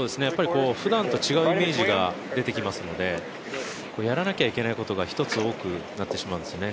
ふだんと違うイメージが出てきますので、やらなきゃいけないことが一つ多くなってしまうんです。